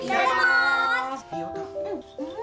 うん！